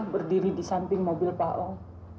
berdiri di samping mobil pak om